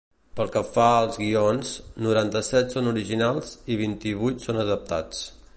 Pel que fa als guions, noranta-set són originals i vint-i-vuit són adaptats.